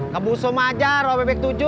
kamu semua aja robek tujuh